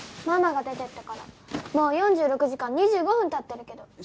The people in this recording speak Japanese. ママが出てってからもう４６時間２５分経ってるけど。